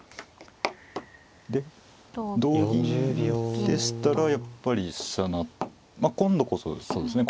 で同銀でしたらやっぱり飛車ま今度こそそうですね